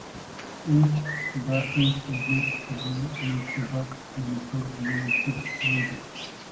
Eight Brahmins migrated to Meitrabak(Manipur) during his reign.